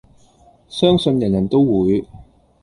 相信人人都會